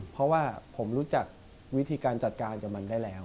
เพราะว่าผมรู้จักวิธีการจัดการกับมันได้แล้ว